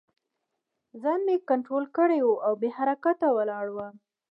ځان مې کنترول کړی و او بې حرکته ولاړ وم